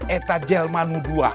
itu jelma itu dua